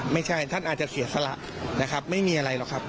ไม่ใช่ท่านอาจจะเสียสละนะครับไม่มีอะไรหรอกครับ